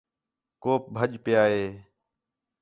کُوپ ٻَجھ پیا ہے